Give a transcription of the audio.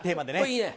いいね。